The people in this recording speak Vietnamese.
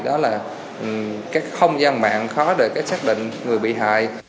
đó là các không gian mạng khó để chắc định người bị hại